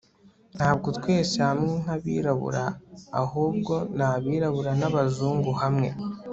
ntabwo twese hamwe nk'abirabura, ahubwo ni abirabura n'abazungu hamwe